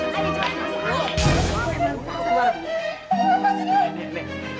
lagi ngintip ngintip juga tuh cucu a yang jadi dokter